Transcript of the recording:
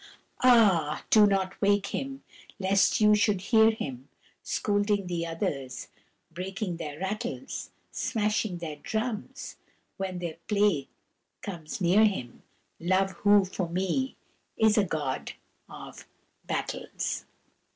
Ah, do not wake him, lest you should hear him Scolding the others, breaking their rattles, Smashing their drums, when their play comes near him Love who, for me, is a god of battles!